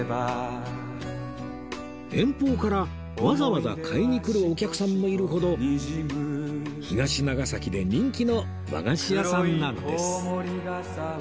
遠方からわざわざ買いに来るお客さんもいるほど東長崎で人気の和菓子屋さんなんです